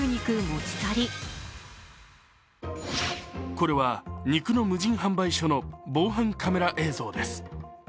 これは肉の無人販売所の防犯カメラ映像です。